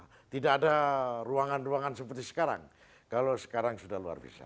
karena tidak ada ruangan ruangan seperti sekarang kalau sekarang sudah luar biasa